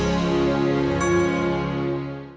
jangan sabar ya rud